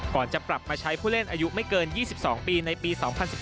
จะปรับมาใช้ผู้เล่นอายุไม่เกิน๒๒ปีในปี๒๐๑๙